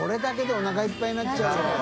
おなかいっぱいになっちゃうよな。